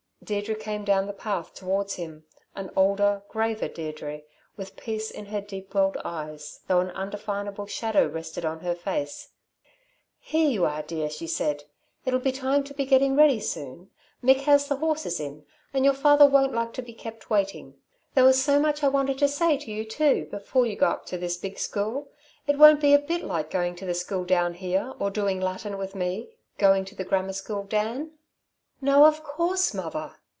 Deirdre came down the path towards him, an older, graver Deirdre, with peace in her deep welled eyes, though an undefinable shadow rested on her face. "Here you are, dear!" she said. "It'll be time to be getting ready soon. Mick has the horses in and your father won't like to be kept waiting. There was so much I wanted to say to you, too, before you go up to this big school. It won't be a bit like going to the school down here or doing Latin with me going to the Grammar School, Dan." "No, of course, mother."